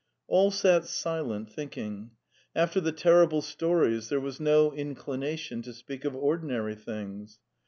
All sat silent, thinking. After the terrible stories there was no inclination to speak of ordinary things.